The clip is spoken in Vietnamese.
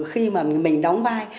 khi mà mình đóng vai